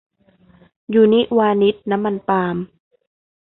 ยูนิวานิชน้ำมันปาล์ม